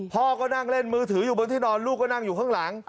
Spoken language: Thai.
พ่อก็นั่งเล่นมือถืออยู่บนที่นอนลูกก็นั่งอยู่ข้างหลัง